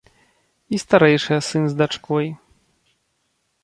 І старэйшыя сын з дачкой.